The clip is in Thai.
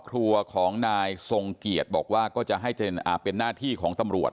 ครัวของนายทรงเกียจบอกว่าก็จะให้เป็นหน้าที่ของตำรวจ